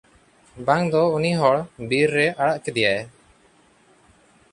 ᱵᱤᱝ ᱫᱚ ᱩᱱᱤ ᱦᱚᱲ ᱵᱤᱨ ᱨᱮ ᱟᱲᱟᱜ ᱠᱮᱫᱮᱟᱭ ᱾